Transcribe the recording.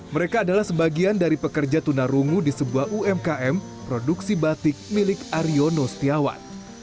mereka adalah sebagian dari pekerja tunarungu di sebuah umkm produksi batik milik aryono setiawan